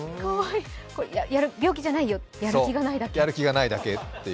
病気じゃないよ、やる気がないだけ。